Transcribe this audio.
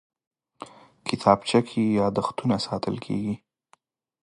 کتابچه کې یادښتونه ساتل کېږي